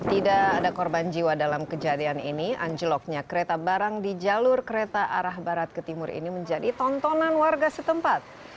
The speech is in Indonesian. tidak ada korban jiwa dalam kejadian ini anjloknya kereta barang di jalur kereta arah barat ke timur ini menjadi tontonan warga setempat